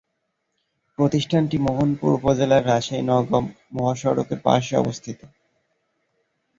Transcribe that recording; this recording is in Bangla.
প্রতিষ্ঠানটি মোহনপুর উপজেলা রাজশাহী-নওগাঁ মহাসড়কের পার্শ্বে অবস্থিত।